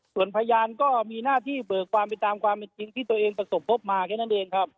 ส่วนพยานก็มีหน้าที่เบิกความไปตามความเป็นจริงที่ตัวเองประสบพบมาแค่นั้นเองครับ